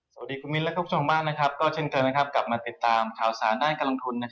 สวัสดีคุณมิ้นและคุณผู้ชมมากก็เช่นเคยกลับมาติดตามข่าวสารด้านการลงทุน